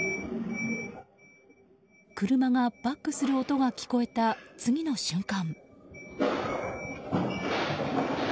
車がバックする音が聞こえた次の瞬間。